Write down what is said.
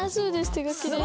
手書きです